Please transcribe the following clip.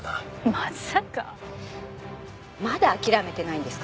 まだ諦めてないんですか？